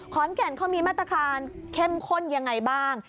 ขอนแก่นเขามีมาตรการเข้มข้นยังไงบ้าง